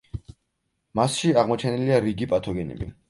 მასში აღმოჩენილია რიგი პათოგენები.